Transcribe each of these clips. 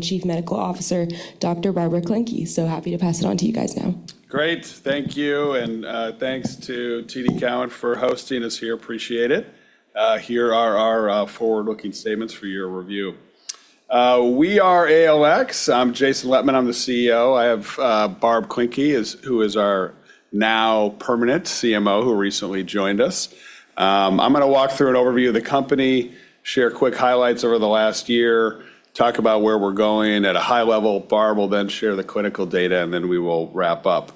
Chief Medical Officer, Dr. Barbara Klencke. Happy to pass it on to you guys now. Great. Thank you. Thanks to TD Cowen for hosting us here. Appreciate it. Here are our forward-looking statements for your review. We are ALX. I'm Jason Lettmann, I'm the CEO. I have Barb Klencke, who is our now permanent CMO, who recently joined us. I'm gonna walk through an overview of the company, share quick highlights over the last year, talk about where we're going at a high level. Barb will share the clinical data. We will wrap up.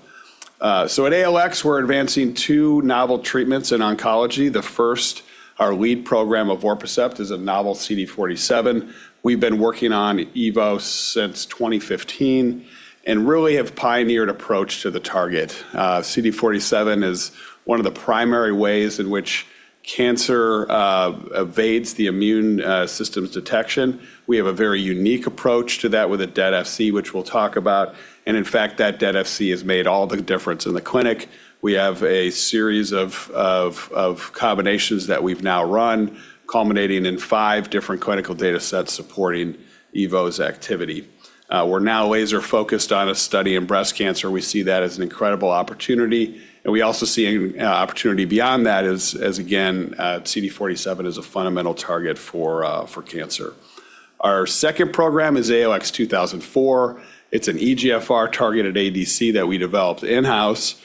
At ALX, we're advancing two novel treatments in oncology. The first, our lead program, evorpacept, is a novel CD47. We've been working on EVO since 2015 and really have pioneered approach to the target. CD47 is one of the primary ways in which cancer evades the immune system's detection. We have a very unique approach to that with a dead Fc, which we'll talk about. In fact, that dead Fc has made all the difference in the clinic. We have a series of combinations that we've now run, culminating in five different clinical datasets supporting EVO's activity. We're now laser-focused on a study in breast cancer. We see that as an incredible opportunity, and we also see an opportunity beyond that as again, CD47 is a fundamental target for cancer. Our second program is ALX2004. It's an EGFR-targeted ADC that we developed in-house.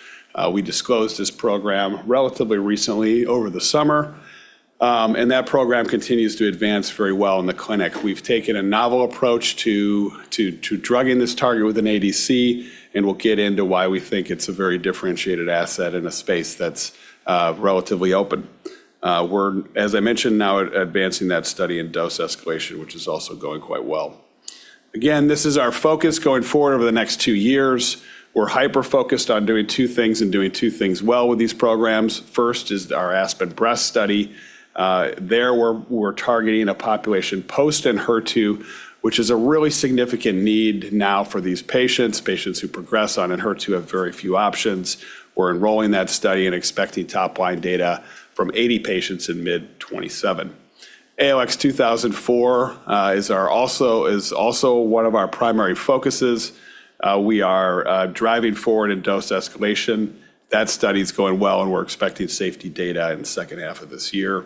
We disclosed this program relatively recently over the summer, and that program continues to advance very well in the clinic. We've taken a novel approach to drugging this target with an ADC, and we'll get into why we think it's a very differentiated asset in a space that's relatively open. We're, as I mentioned, now at advancing that study in dose escalation, which is also going quite well. Again, this is our focus going forward over the next two years. We're hyper-focused on doing two things and doing two things well with these programs. First is our ASPEN breast study. There we're targeting a population post in HER2, which is a really significant need now for these patients. Patients who progress on an HER2 have very few options. We're enrolling that study and expecting top-line data from 80 patients in mid-2027. ALX2004 is also one of our primary focuses. We are driving forward in dose escalation. That study is going well, and we're expecting safety data in the second half of this year.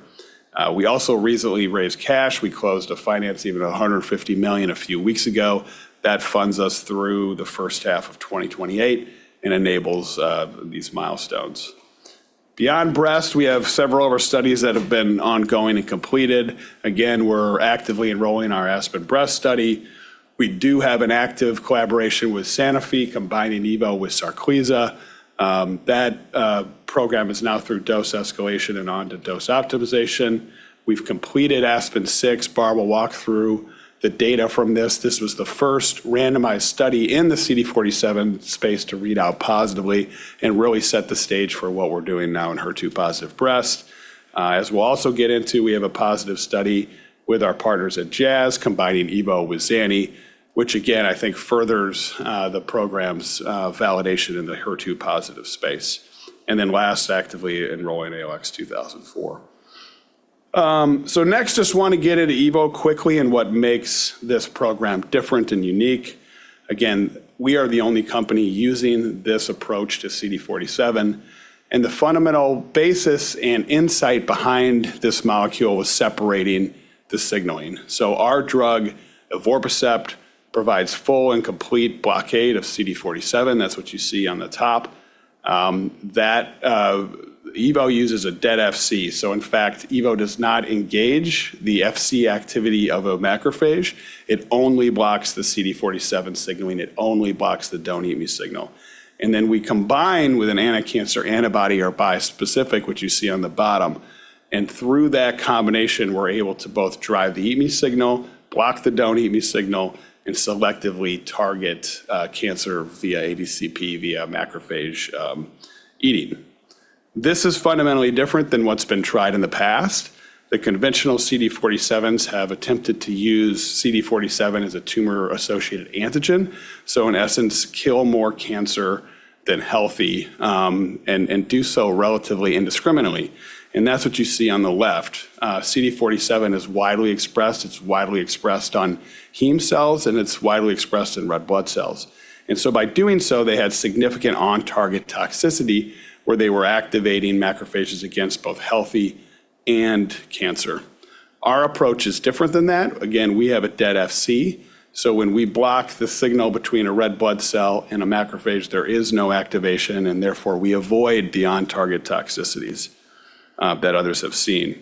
We also recently raised cash. We closed a financing of $150 million a few weeks ago. That funds us through the first half of 2028 and enables these milestones. Beyond breast, we have several of our studies that have been ongoing and completed. Again, we're actively enrolling our ASPEN breast study. We do have an active collaboration with Sanofi, combining EVO with Sarclisa. That program is now through dose escalation and onto dose optimization. We've completed ASPEN-06. Barb will walk through the data from this. This was the first randomized study in the CD47 space to read out positively and really set the stage for what we're doing now in HER2-positive breast. As we'll also get into, we have a positive study with our partners at Jazz, combining EVO with Zani, which again, I think furthers the program's validation in the HER2 positive space. Last, actively enrolling ALX2004. Next, just wanna get into EVO quickly and what makes this program different and unique. Again, we are the only company using this approach to CD47, the fundamental basis and insight behind this molecule was separating the signaling. Our drug, evorpacept, provides full and complete blockade of CD47. That's what you see on the top. That EVO uses a dead Fc. In fact, EVO does not engage the Fc activity of a macrophage. It only blocks the CD47 signaling. It only blocks the don't eat me signal. Then we combine with an anticancer antibody or bispecific, which you see on the bottom. Through that combination, we're able to both drive the eat me signal, block the don't eat me signal, and selectively target cancer via ADCP, via macrophage eating. This is fundamentally different than what's been tried in the past. The conventional CD47s have attempted to use CD47 as a tumor-associated antigen, so in essence, kill more cancer than healthy and do so relatively indiscriminately. That's what you see on the left. CD47 is widely expressed. It's widely expressed on heme cells, and it's widely expressed in red blood cells. So by doing so, they had significant on-target toxicity, where they were activating macrophages against both healthy and cancer. Our approach is different than that. We have an inactive Fc, so when we block the signal between a red blood cell and a macrophage, there is no activation, and therefore, we avoid the on-target toxicities that others have seen.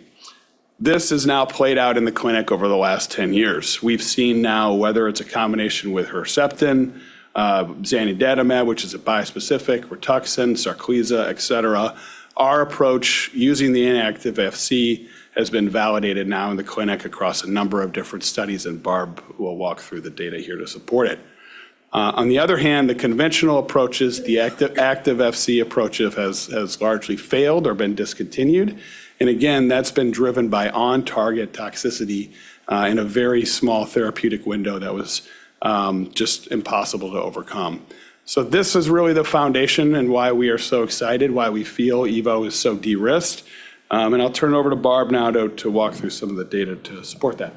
This has now played out in the clinic over the last 10 years. We've seen now whether it's a combination with Herceptin, Zanidatamab, which is a bispecific, Rituxan, Sarclisa, et cetera. Our approach using the inactive Fc has been validated now in the clinic across a number of different studies, and Barb will walk through the data here to support it. On the other hand, the conventional approaches, the active Fc approach has largely failed or been discontinued. That's been driven by on-target toxicity in a very small therapeutic window that was just impossible to overcome. This is really the foundation and why we are so excited, why we feel EVO is so de-risked. I'll turn it over to Barb now to walk through some of the data to support that.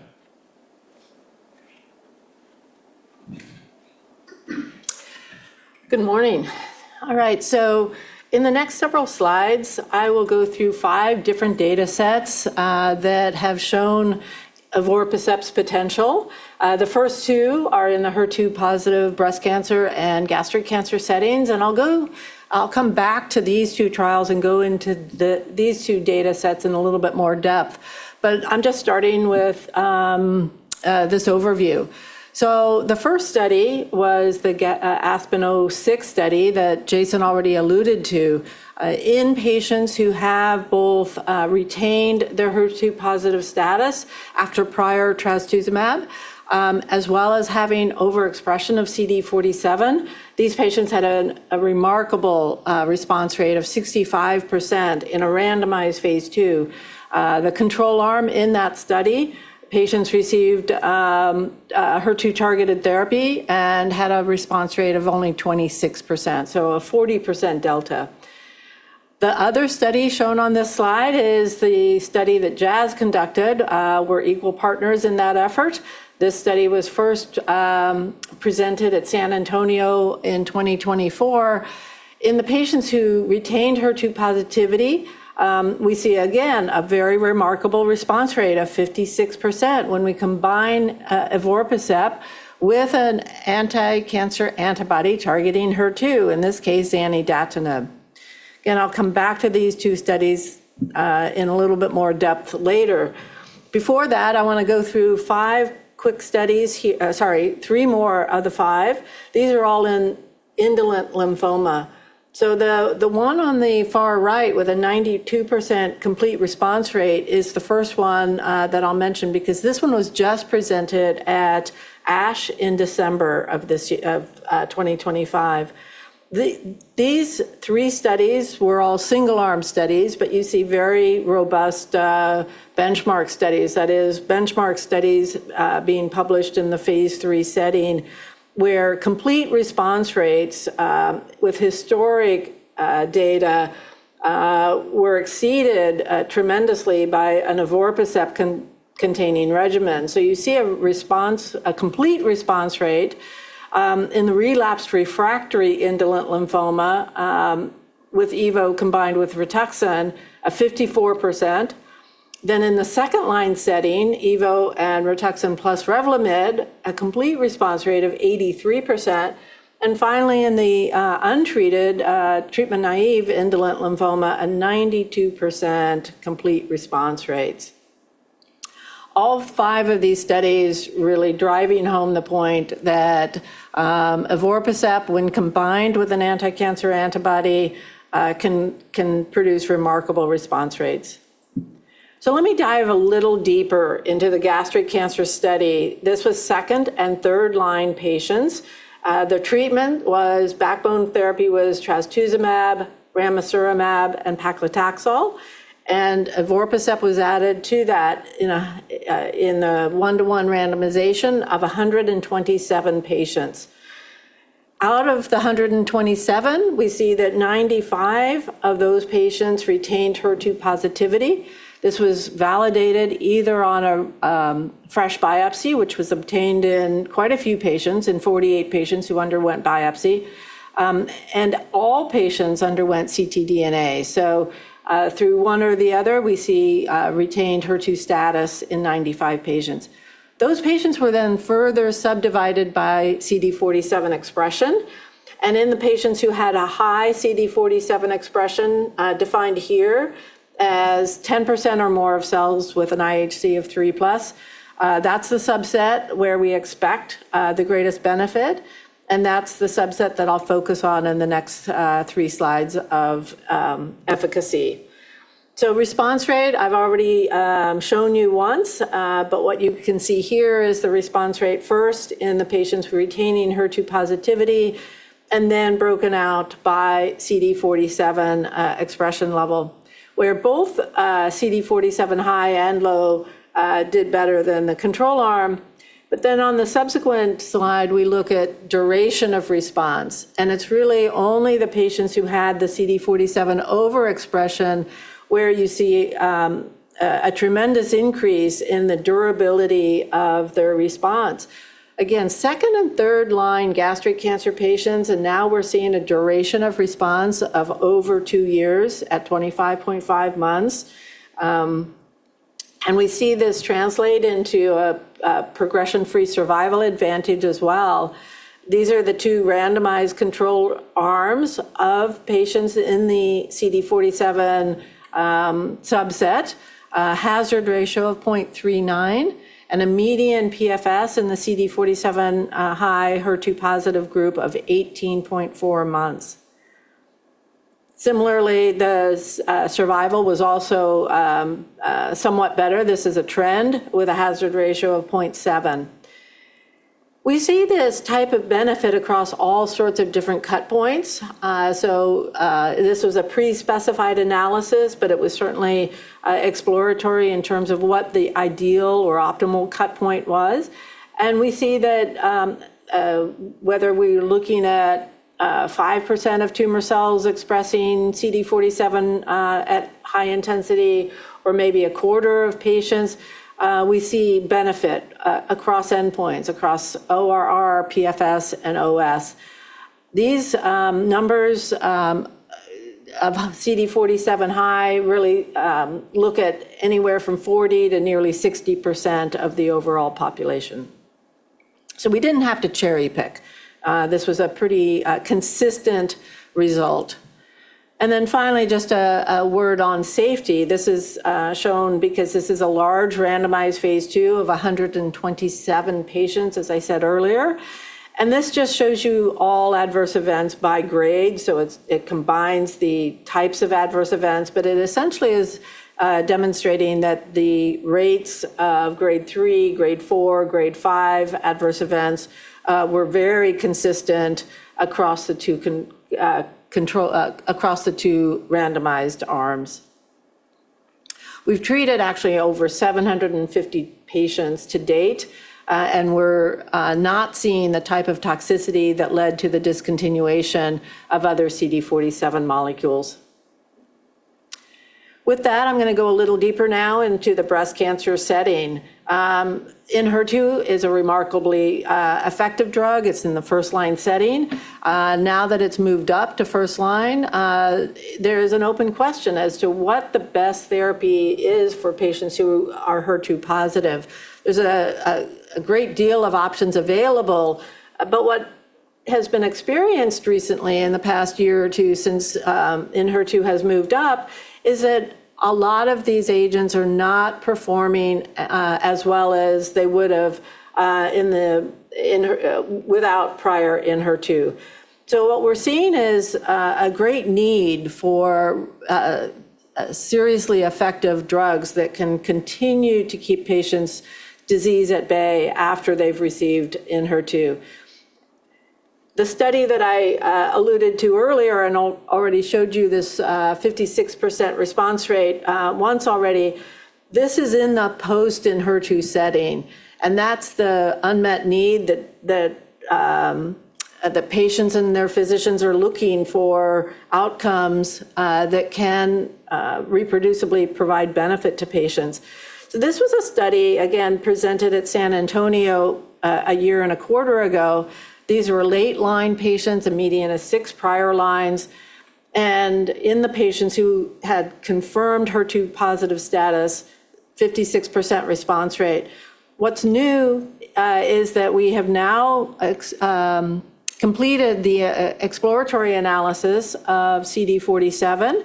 Good morning. All right. In the next several slides, I will go through five different datasets that have shown evorpacept's potential. The first two are in the HER2-positive breast cancer and gastric cancer settings, and I'll come back to these two trials and go into these two datasets in a little bit more depth. I'm just starting with this overview. The first study was the ASPEN-06 study that Jason already alluded to. In patients who have both retained their HER2-positive status after prior trastuzumab, as well as having overexpression of CD47, these patients had a remarkable response rate of 65% in a randomized phase 2. The control arm in that study, patients received HER2-targeted therapy and had a response rate of only 26%, so a 40% delta. The other study shown on this slide is the study that Jas conducted. We're equal partners in that effort. This study was first presented at San Antonio in 2024. In the patients who retained HER2 positivity, we see again a very remarkable response rate of 56% when we combine evorpacept with an anticancer antibody targeting HER2, in this case, Zanidatamab. Again, I'll come back to these two studies in a little bit more depth later. Before that, I wanna go through five quick studies, sorry, three more of the five. These are all in indolent lymphoma. The one on the far right with a 92% complete response rate is the first one that I'll mention because this one was just presented at ASH in December of 2025. These three studies were all single-arm studies, you see very robust benchmark studies. That is, benchmark studies being published in the phase 3 setting where complete response rates with historic data were exceeded tremendously by an evorpacept containing regimen. You see a complete response rate in the relapsed refractory indolent lymphoma with EVO combined with Rituxan of 54%. In the second-line setting, EVO and Rituxan plus Revlimid, a complete response rate of 83%. Finally, in the untreated, treatment-naive indolent lymphoma, a 92% complete response rates. All five of these studies really driving home the point that evorpacept, when combined with an anticancer antibody, can produce remarkable response rates. Let me dive a little deeper into the gastric cancer study. This was second and third-line patients. The treatment backbone therapy was trastuzumab, ramucirumab, and paclitaxel. Evorpacept was added to that in a one-to-one randomization of 127 patients. Out of the 127, we see that 95 of those patients retained HER2 positivity. This was validated either on a fresh biopsy, which was obtained in quite a few patients, in 48 patients who underwent biopsy. All patients underwent ctDNA. Through one or the other, we see retained HER2 status in 95 patients. Those patients were then further subdivided by CD47 expression. In the patients who had a high CD47 expression, defined here as 10% or more of cells with an IHC of 3+, that's the subset where we expect the greatest benefit, that's the subset that I'll focus on in the next three slides of efficacy. Response rate, I've already shown you once, what you can see here is the response rate first in the patients retaining HER2 positivity then broken out by CD47 expression level, where both CD47 high and low did better than the control arm. On the subsequent slide, we look at duration of response, it's really only the patients who had the CD47 overexpression where you see a tremendous increase in the durability of their response. Again, second and third-line gastric cancer patients, now we're seeing a duration of response of over two years at 25.5 months. We see this translate into a progression-free survival advantage as well. These are the 2 randomized control arms of patients in the CD47 subset, a hazard ratio of 0.39, and a median PFS in the CD47 high HER2 positive group of 18.4 months. Similarly, the survival was also somewhat better. This is a trend with a hazard ratio of 0.7. We see this type of benefit across all sorts of different cut points. This was a pre-specified analysis, but it was certainly exploratory in terms of what the ideal or optimal cut point was. We see that whether we're looking at 5% of tumor cells expressing CD47 at high intensity or maybe a quarter of patients, we see benefit across endpoints, across ORR, PFS, and OS. These numbers of CD47 high really look at anywhere from 40% to nearly 60% of the overall population. We didn't have to cherry-pick. This was a pretty consistent result. Finally, just a word on safety. This is shown because this is a large randomized phase II of 127 patients, as I said earlier. This just shows you all adverse events by grade. It combines the types of adverse events, it essentially is demonstrating that the rates of Grade 3, Grade 4, Grade 5 adverse events were very consistent across the two randomized arms. We've treated actually over 750 patients to date, and we're not seeing the type of toxicity that led to the discontinuation of other CD47 molecules. I'm gonna go a little deeper now into the breast cancer setting. Enhertu is a remarkably effective drug. It's in the first-line setting. Now that it's moved up to first line, there is an open question as to what the best therapy is for patients who are HER2 positive. There's a great deal of options available, but what has been experienced recently in the past year or two since Enhertu has moved up is that a lot of these agents are not performing as well as they would have without prior Enhertu. What we're seeing is a great need for seriously effective drugs that can continue to keep patients' disease at bay after they've received Enhertu. The study that I alluded to earlier and already showed you this 56% response rate once already, this is in the post-Enhertu setting, and that's the unmet need that the patients and their physicians are looking for outcomes that can reproducibly provide benefit to patients. This was a study, again, presented at San Antonio a year and a quarter ago. These were late-line patients, a median of six prior lines. In the patients who had confirmed HER2-positive status, 56% response rate. What's new is that we have now completed the exploratory analysis of CD47.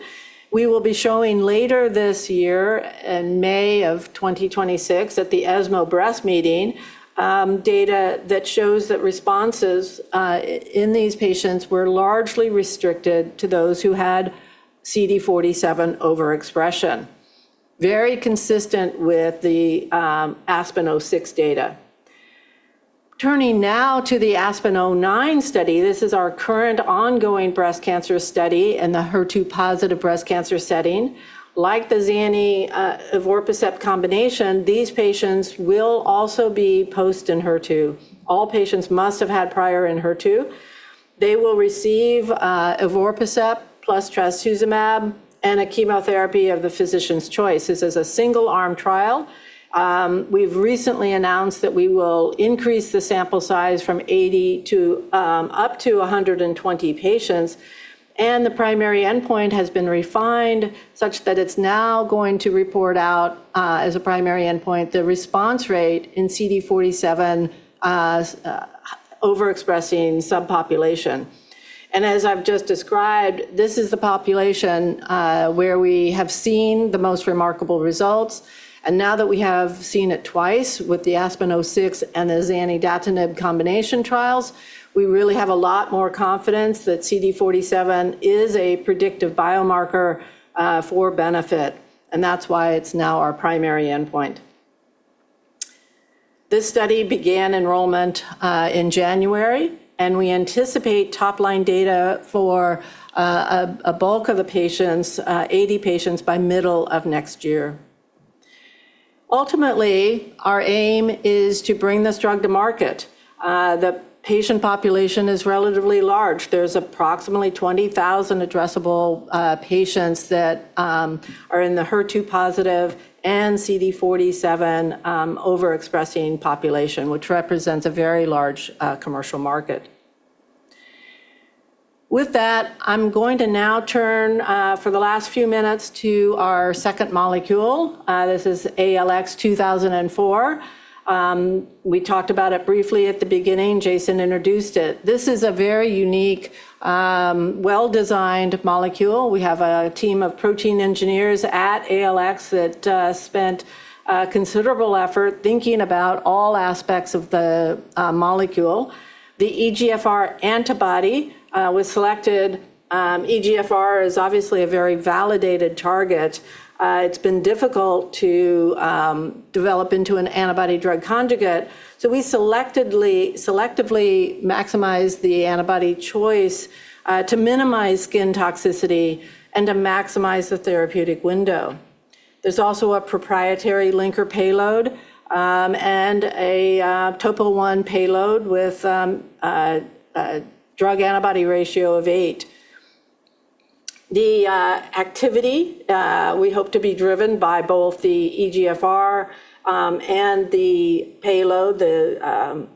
We will be showing later this year, in May of 2026 at the ESMO Breast Cancer 2026, data that shows that responses in these patients were largely restricted to those who had CD47 overexpression, very consistent with the ASPEN-06 data. Turning now to the ASPEN-09 study, this is our current ongoing breast cancer study in the HER2-positive breast cancer setting. Like the Xani evorpacept combination, these patients will also be post-Enhertu. All patients must have had prior Enhertu. They will receive evorpacept plus trastuzumab and a chemotherapy of the physician's choice. This is a single-arm trial. We've recently announced that we will increase the sample size from 80 to up to 120 patients, and the primary endpoint has been refined such that it's now going to report out as a primary endpoint the response rate in CD47 overexpressing subpopulation. As I've just described, this is the population where we have seen the most remarkable results. Now that we have seen it twice with the ASPEN-06 and the zanidatamab combination trials, we really have a lot more confidence that CD47 is a predictive biomarker for benefit, and that's why it's now our primary endpoint. This study began enrollment in January, and we anticipate top-line data for a bulk of the patients, 80 patients by middle of next year. Ultimately, our aim is to bring this drug to market. The patient population is relatively large. There's approximately 20,000 addressable patients that are in the HER2-positive and CD47 overexpressing population, which represents a very large commercial market. With that, I'm going to now turn for the last few minutes to our second molecule. This is ALX2004. We talked about it briefly at the beginning. Jason introduced it. This is a very unique, well-designed molecule. We have a team of protein engineers at ALX that spent considerable effort thinking about all aspects of the molecule. The EGFR antibody was selected. EGFR is obviously a very validated target. It's been difficult to develop into an antibody drug conjugate, so we selectively maximize the antibody choice to minimize skin toxicity and to maximize the therapeutic window. There's also a proprietary linker payload and a TOPO1 payload with drug-to-antibody ratio of eight. The activity we hope to be driven by both the EGFR and the payload, the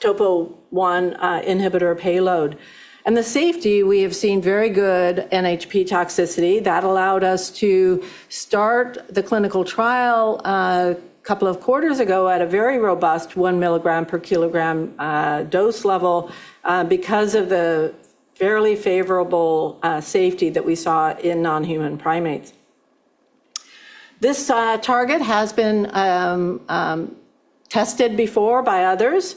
TOPO1 inhibitor payload. The safety, we have seen very good NHP toxicity that allowed us to start the clinical trial a couple of quarters ago at a very robust 1 mg per kg dose level because of the fairly favorable safety that we saw in non-human primates. This target has been tested before by others.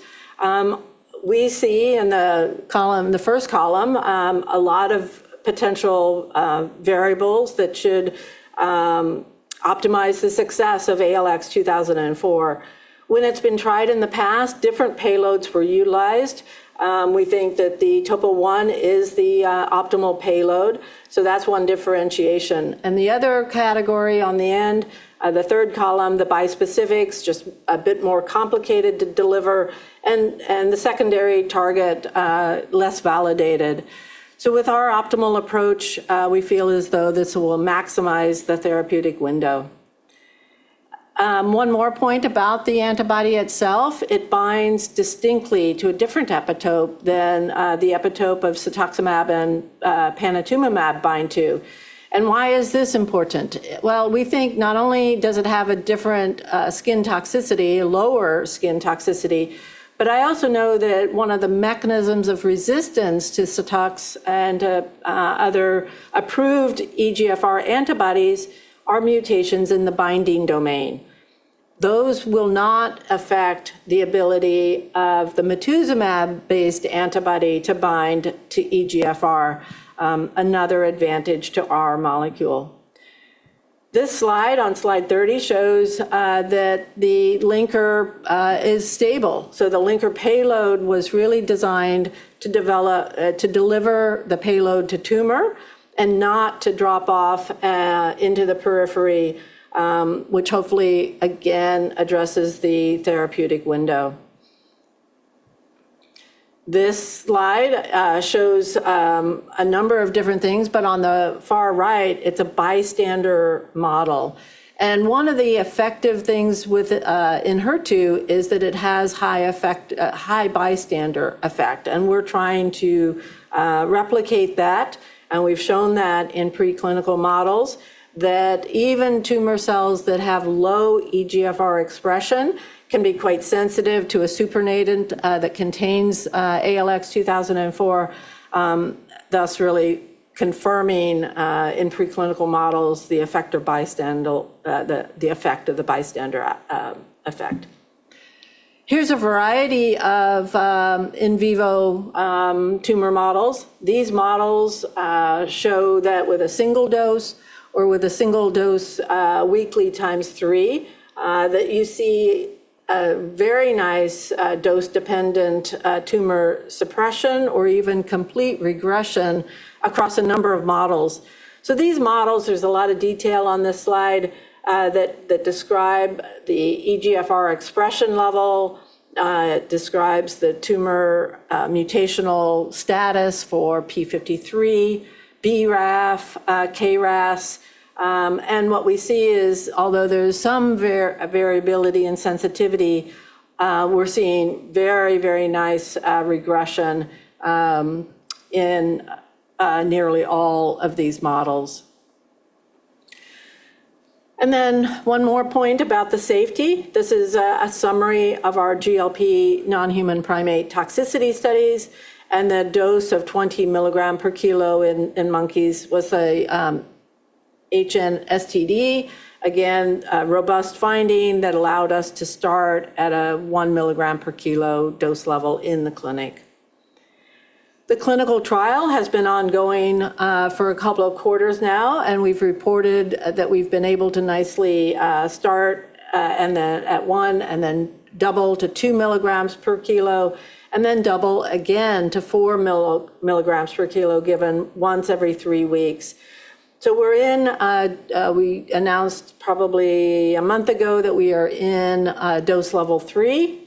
We see in the first column, a lot of potential variables that should optimize the success of ALX2004. When it's been tried in the past, different payloads were utilized. We think that the TOPO1 is the optimal payload, so that's one differentiation. The other category on the end, the third column, the bispecifics, just a bit more complicated to deliver and the secondary target, less validated. With our optimal approach, we feel as though this will maximize the therapeutic window. One more point about the antibody itself. It binds distinctly to a different epitope than the epitope of cetuximab and panitumumab bind to. Why is this important? Well, we think not only does it have a different, skin toxicity, lower skin toxicity, but I also know that one of the mechanisms of resistance to cetux and other approved EGFR antibodies are mutations in the binding domain. Those will not affect the ability of the matuzumab-based antibody to bind to EGFR, another advantage to our molecule. This slide on slide 30 shows that the linker is stable. The linker payload was really designed to deliver the payload to tumor and not to drop off into the periphery, which hopefully again addresses the therapeutic window. This slide shows a number of different things, but on the far right, it's a bystander model. One of the effective things with in HER2 is that it has high bystander effect, and we're trying to replicate that. We've shown that in preclinical models that even tumor cells that have low EGFR expression can be quite sensitive to a supernatant that contains ALX2004, thus really confirming in preclinical models the effect of the bystander effect. Here's a variety of in vivo tumor models. These models show that with a single dose weekly 3x that you see a very nice dose-dependent tumor suppression or even complete regression across a number of models. These models, there's a lot of detail on this slide, that describe the EGFR expression level, it describes the tumor mutational status for p53, BRAF, KRAS. What we see is, although there's some variability and sensitivity, we're seeing very, very nice regression in nearly all of these models. Then one more point about the safety. This is a summary of our GLP non-human primate toxicity studies, and the dose of 20 milligram per kilo in monkeys was a HNSTD. Again, a robust finding that allowed us to start at a 1 mg per kg dose level in the clinic. The clinical trial has been ongoing for a couple of quarters now, and we've reported that we've been able to nicely start, and then at one, and then double to 2 mg per kg, and then double again to 4 mg per kg given once every three weeks. We're in, we announced probably one month ago that we are in dose level three.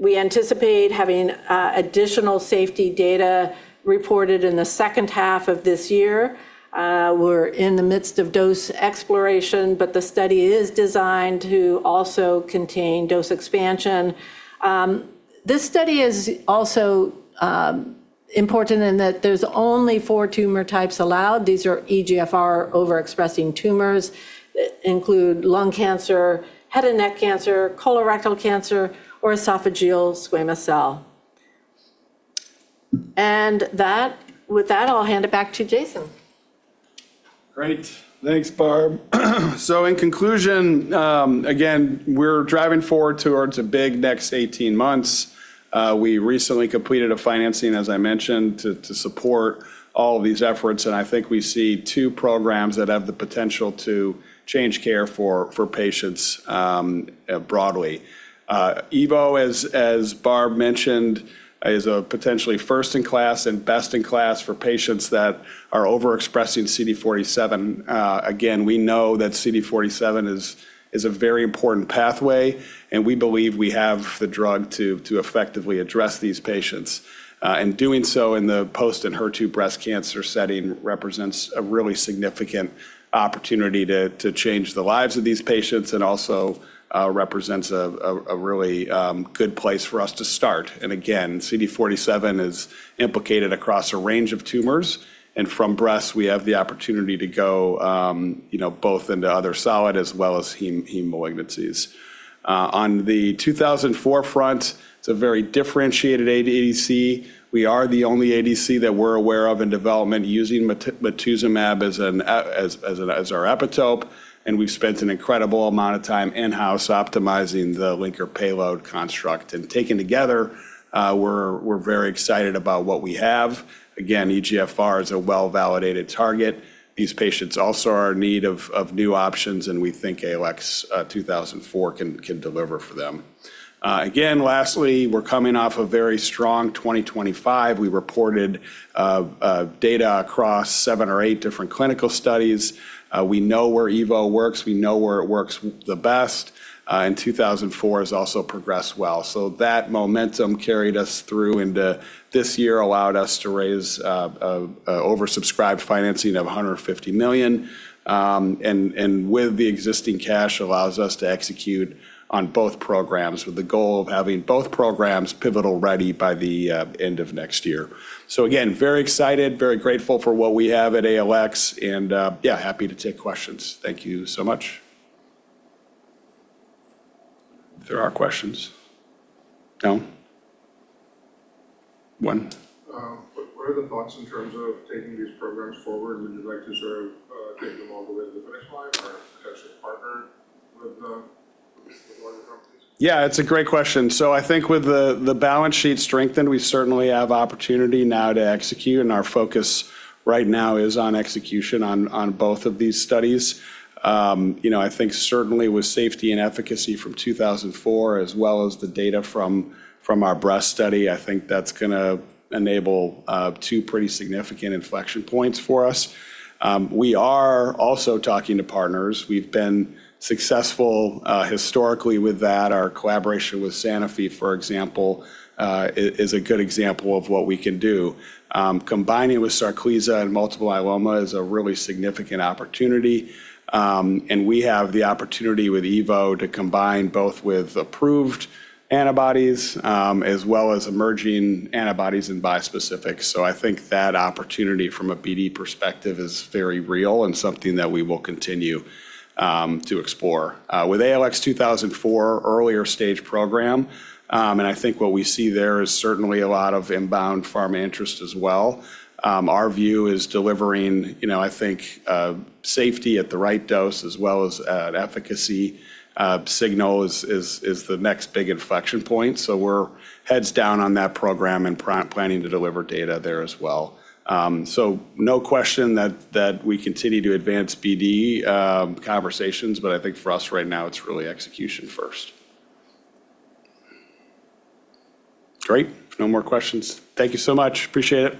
We anticipate having additional safety data reported in the second half of this year. We're in the midst of dose exploration, the study is designed to also contain dose expansion. This study is also important in that there's only four tumor types allowed. These are EGFR overexpressing tumors that include lung cancer, head and neck cancer, colorectal cancer, or esophageal squamous cell. With that, I'll hand it back to Jason. Great. Thanks, Barb. In conclusion, again, we're driving forward towards a big next 18 months. We recently completed a financing, as I mentioned, to support all these efforts, and I think we see two programs that have the potential to change care for patients broadly. EVO, as Barb mentioned, is potentially first in class and best in class for patients that are overexpressing CD47. Again, we know that CD47 is a very important pathway, and we believe we have the drug to effectively address these patients. And doing so in the post and HER2 breast cancer setting represents a really significant opportunity to change the lives of these patients and also represents a really good place for us to start. Again, CD47 is implicated across a range of tumors. From breast, we have the opportunity to go, you know, both into other solid as well as heme malignancies. On the 2004 front, it's a very differentiated ADC. We are the only ADC that we're aware of in development using matuzumab as our epitope, and we've spent an incredible amount of time in-house optimizing the linker payload construct. Taken together, we're very excited about what we have. Again, EGFR is a well-validated target. These patients also are in need of new options, and we think ALX 2004 can deliver for them. Again, lastly, we're coming off a very strong 2025. We reported data across seven or eight different clinical studies. We know where evorpacept works. We know where it works the best. ALX2004 has also progressed well. That momentum carried us through into this year, allowed us to raise an oversubscribed financing of $150 million, and with the existing cash allows us to execute on both programs with the goal of having both programs pivotal-ready by the end of next year. Again, very excited, very grateful for what we have at ALX, and happy to take questions. Thank you so much. If there are questions. No? One. What are the thoughts in terms of taking these programs forward? Would you like to sort of, take them all the way to the finish line or potentially partner with other companies? Yeah, it's a great question. I think with the balance sheet strengthened, we certainly have opportunity now to execute, and our focus right now is on execution on both of these studies. You know, I think certainly with safety and efficacy from 2004, as well as the data from our breast study, I think that's gonna enable two pretty significant inflection points for us. We are also talking to partners. We've been successful historically with that. Our collaboration with Sanofi, for example, is a good example of what we can do. Combining with Sarclisa and multiple myeloma is a really significant opportunity. And we have the opportunity with EVO to combine both with approved antibodies, as well as emerging antibodies and bispecifics. I think that opportunity from a BD perspective is very real and something that we will continue to explore. With ALX2004 earlier stage program, and I think what we see there is certainly a lot of inbound pharma interest as well. Our view is delivering, you know, I think safety at the right dose as well as efficacy signal is the next big inflection point. We're heads down on that program and planning to deliver data there as well. No question that we continue to advance BD conversations, but I think for us right now, it's really execution first. Great. No more questions. Thank you so much. Appreciate it.